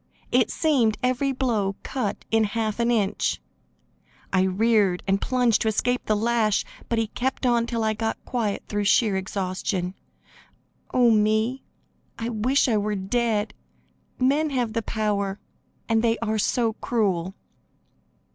It seemed every blow cut in half an inch. I reared and plunged to escape the lash, but he kept on till I got quiet through sheer exhaustion. Oh, me! I wish I were dead; men have the power, and they are so cruel."